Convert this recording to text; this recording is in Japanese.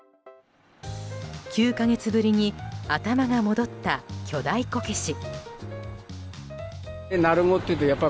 ９か月ぶりに頭が戻った巨大こけし。